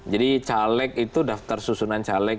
jadi caleg itu daftar susunan caleg